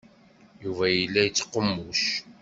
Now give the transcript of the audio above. Yuba yella yettqummuc.